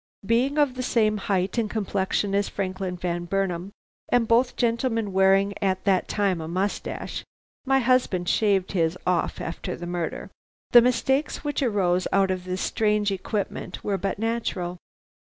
"Being of the same height and complexion as Franklin Van Burnam, and both gentlemen wearing at that time a moustache (my husband shaved his off after the murder), the mistakes which arose out of this strange equipment were but natural.